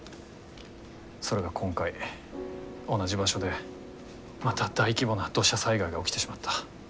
それが今回同じ場所でまた大規模な土砂災害が起きてしまった。